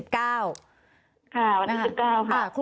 ค่ะวันที่๑๙ค่ะ